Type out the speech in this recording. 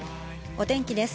お天気です。